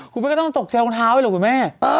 คุณไม่ต้องตกเท้าด้วยหรอกบ๊วยแม่